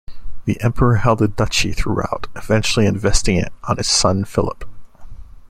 The emperor held the duchy throughout, eventually investing it on his son Philip.